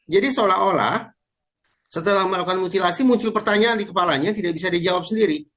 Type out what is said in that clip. jadi seolah olah setelah melakukan mutilasi muncul pertanyaan di kepalanya yang tidak bisa dijawab sendiri